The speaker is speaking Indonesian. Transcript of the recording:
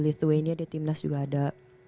lithuania ada timnas juga ada